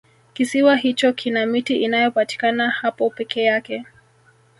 kisiwa hicho kina miti inayopatikana hapo peke yake